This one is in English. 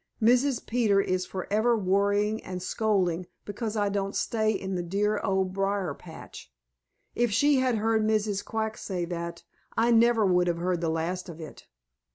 "Mrs. Peter is forever worrying and scolding because I don't stay in the dear Old Briar patch. If she had heard Mrs. Quack say that, I never would have heard the last of it.